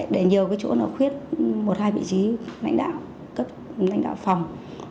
để nhiều chỗ khuyết một hai vị trí lãnh đạo cấp lãnh đạo phòng